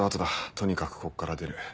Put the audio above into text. とにかくここから出る。